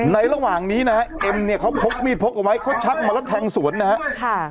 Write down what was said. ระหว่างนี้นะฮะเอ็มเนี่ยเขาพกมีดพกเอาไว้เขาชักมาแล้วแทงสวนนะฮะค่ะ